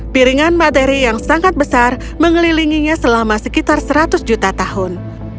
piringan materi yang sangat besar mengelilinginya selama sekitar seratus juta tahun